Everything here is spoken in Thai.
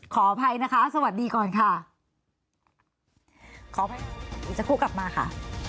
ขออภัยนะคะสวัสดีก่อนค่ะขออภัยจะพูดกลับมาค่ะ